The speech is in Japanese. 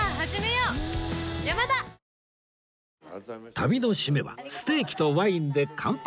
旅の締めはステーキとワインで乾杯！